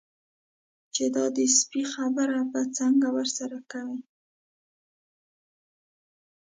چې دا د سپي خبره به څنګه ورسره کوي.